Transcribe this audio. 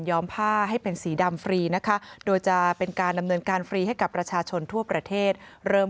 ยอมผ้าฟรีให้แก่ประชาชนทั่วประเทศนายสูรพงษ์จำโจทย์เลขาธิการกรศน